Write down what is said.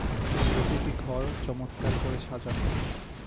প্রতিটি ঘর চমৎকার করে সাজানো।